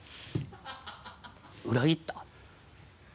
裏切った？